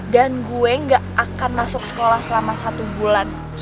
dan gue gak akan masuk sekolah selama satu bulan